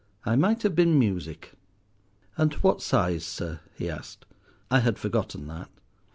I might have been music. "'And what size, sir?' he asked. "I had forgotten that.